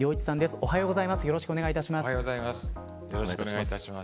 おはようございます。